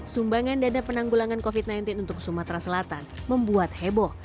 sumbangan dana penanggulangan covid sembilan belas untuk sumatera selatan membuat heboh